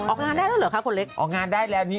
ออกงานได้แล้วเหรอคะคนเล็กออกงานได้แล้วนี่